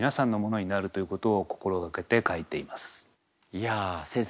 いや先生